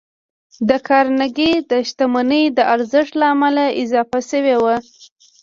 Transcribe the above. د کارنګي د شتمنۍ د ارزښت له امله اضافه شوي وو.